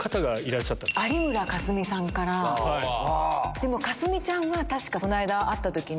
でも架純ちゃんは確かこの間会った時に。